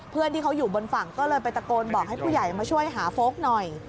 เพื่อนที่เขาอยู่บนฝั่งก็เลยไปตะโกนบอกให้ผู้ใหญ่มาช่วยหาโฟลกหน่อย